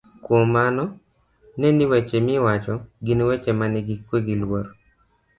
Kuom mano, ne ni weche miwacho gin weche manigi kwe gi luor,